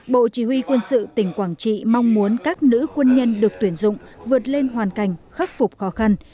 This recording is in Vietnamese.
bộ chỉ huy quân sự tỉnh quảng trị mong muốn các nữ quân nhân được tuyển dụng vượt lên hoàn cảnh khắc phục khó khăn